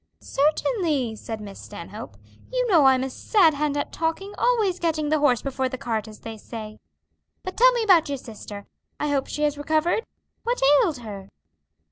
"Certainly," said Miss Stanhope. "You know I'm a sad hand at talking, always getting the horse before the cart, as they say. But tell me about your sister. I hope she has recovered. What ailed her?"